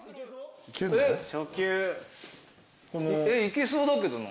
いけそうだけどな。